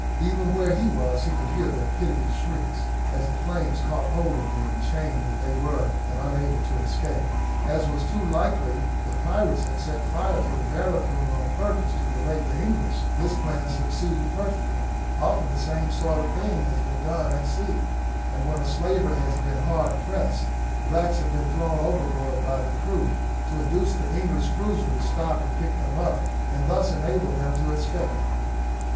Even where he was he could hear their piteous shrieks, as the flames caught hold of them, chained as they were and unable to escape. As was too likely the pirates had set fire to the barracoon on purpose to delay the English; this plan succeeded perfectly. Often the same sort of thing has been done at sea, and when a slaver has been hard pressed, blacks have been thrown overboard by the crew, to induce the English cruiser to stop and pick them up, and thus enable them to escape.